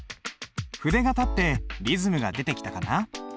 筆が立ってリズムが出てきたかな？